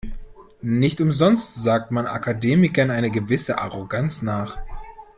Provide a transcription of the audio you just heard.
Nicht umsonst sagt man Akademikern eine gewisse Arroganz nach.